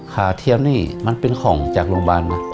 เทียมนี่มันเป็นของจากโรงพยาบาลนะ